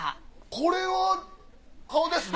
これは顔ですね。